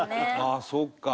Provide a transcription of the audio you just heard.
ああそうか。